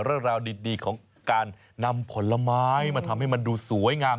เรื่องราวดีของการนำผลไม้มาทำให้มันดูสวยงาม